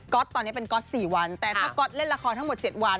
ตอนนี้เป็นก๊อต๔วันแต่ถ้าก๊อตเล่นละครทั้งหมด๗วัน